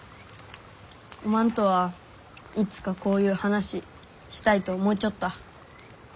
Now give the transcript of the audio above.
おまんとはいつかこういう話したいと思うちょった。